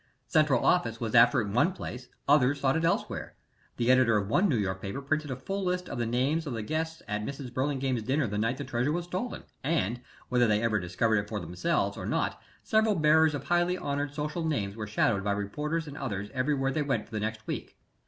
Central Office was after it in one place, others sought it elsewhere. The editor of one New York paper printed a full list of the names of the guests at Mrs. Burlingame's dinner the night the treasure was stolen, and, whether they ever discovered it for themselves or not, several bearers of highly honored social names were shadowed by reporters and others everywhere they went for the next week.